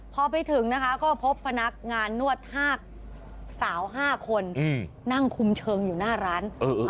พอไปถึงนะคะก็พบพนักงานนวด๕สาว๕คนนั่งคุมเชิงอยู่หน้าร้าน